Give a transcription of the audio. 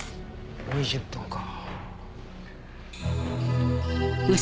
２０分か。